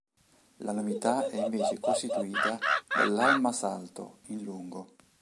La novità è invece costituita dall'halma-salto in lungo.